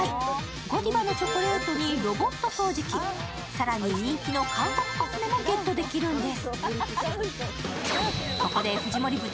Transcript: ＧＯＤＩＶＡのチョコレートにロボット掃除機、更に人気の韓国コスメもゲットできるんです。